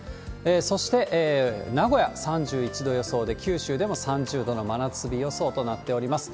そして名古屋、３１どよそうで九州でも３０度の真夏日予想となっております。